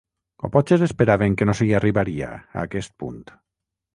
O potser esperaven que no s’hi arribaria, a aquest punt?